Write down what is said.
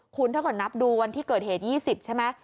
คุณถ้าเกิดนับดูวันที่เกิดเหตุ๒๐ใช่ไหม